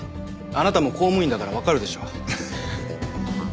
あなたも公務員だからわかるでしょ。